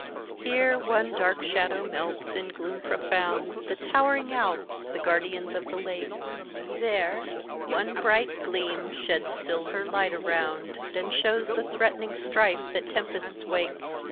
"Here, one dark shadow melts, in gloom profound, The towering Alps the guardians of the Lake'; There, one bright gleam sheds silver light around, And shows the threat'ning strife that tempests wake.